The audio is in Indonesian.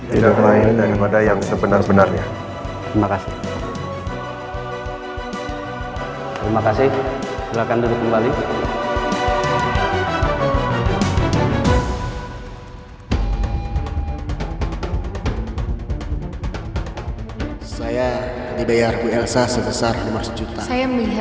tidak lain daripada yang sebenar benarnya